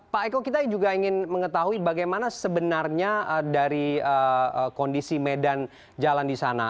pak eko kita juga ingin mengetahui bagaimana sebenarnya dari kondisi medan jalan di sana